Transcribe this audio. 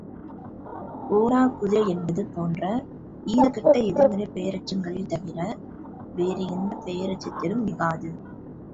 ஓடாக் குதிரை என்பது போன்ற ஈறுகெட்ட எதிர் மறைப் பெயரெச்சங்களில் தவிர, வேறு எந்தப் பெயரெச்சத்திலும் மிகாது.